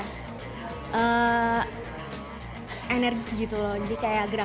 lebih lebih berat